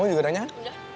kamu juga tanyakan